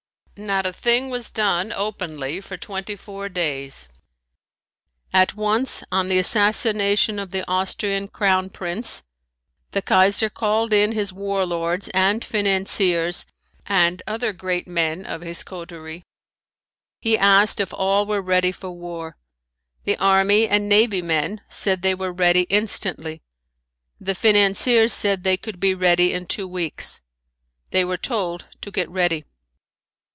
Not a thing was done openly for twenty four days. At once on the assassination of the Austrian Grown Prince, the Kaiser called in his war lords and financiers and other great men of his coterie. He asked if all were ready for war. The army and navy men said they were ready instantly. The financiers said they could be ready in two weeks. They were told to get ready.